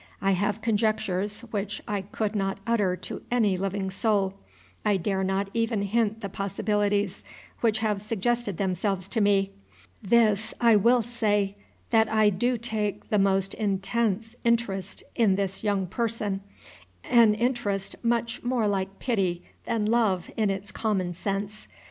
I have conjectures which I could not utter to any living soul. I dare not even hint the possibilities which have suggested themselves to me. This I will say, that I do take the most intense interest in this young person, an interest much more like pity than love in its common sense.